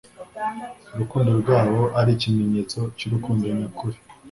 urukundo rwabo ari ikimenyetso cy; urukundo nyakuri.